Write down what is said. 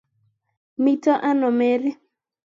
Mito ano Mary?